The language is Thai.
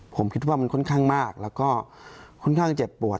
ผมคิดว่ามันค่อนข้างมากแล้วก็ค่อนข้างเจ็บปวด